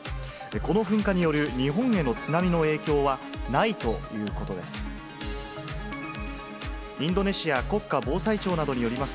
この噴火による日本への津波の影響はないということです。